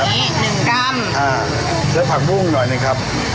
เดือดผักมุ่งหน่อยนะครับ